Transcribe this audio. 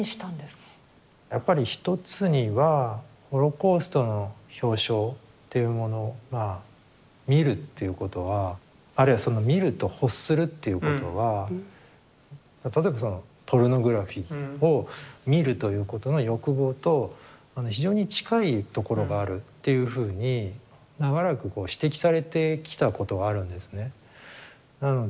やっぱり一つにはホロコーストの表象っていうものが見るということはあるいはその見ると欲するっていうことは例えばそのポルノグラフィを見るということの欲望と非常に近いところがあるっていうふうに長らくこう指摘されてきたことがあるんですね。